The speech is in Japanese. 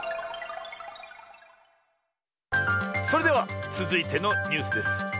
それではつづいてのニュースです。